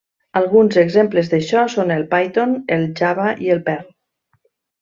Alguns exemples d'això són el Python, el Java i el Perl.